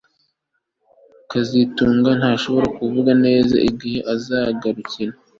kazitunga ntashobora kuvuga neza igihe azagarukira